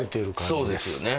そうですよね。